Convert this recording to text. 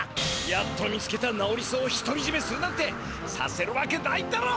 やっと見つけたなおり草をひとりじめするなんてさせるわけないだろ！